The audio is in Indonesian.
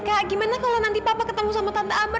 kak gimana kalau nanti papa ketemu sama tante abah